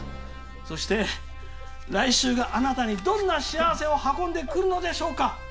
そして、来週があなたにどんな幸せを運んでくるのでしょうか。